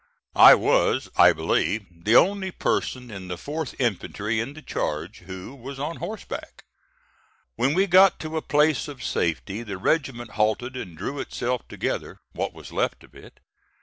I was, I believe, the only person in the 4th infantry in the charge who was on horseback. When we got to a lace of safety the regiment halted and drew itself together what was left of it.